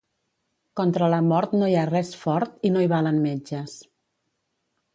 Contra la mort no hi ha res fort i no hi valen metges.